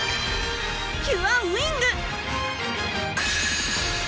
キュアウィング！